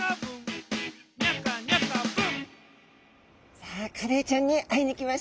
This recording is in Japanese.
さあカレイちゃんに会いに来ましたよ。